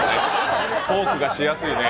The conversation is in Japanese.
トークがしやすいね。